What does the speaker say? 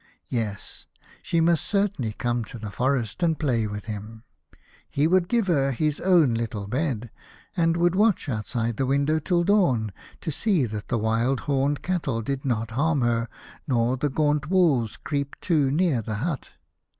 Yes, she must certainly come to the forest and play with him. He would give her his own little bed, and would watch outside the window till dawn, to see that the wild horned cattle did not harm her, nor the gaunt wolves creep too near the hut.